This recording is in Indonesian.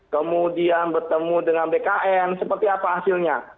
kemudian bertemu dengan bkn seperti apa hasilnya